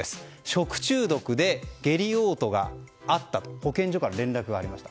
食中毒で下痢・嘔吐があったと保健所から連絡がありました。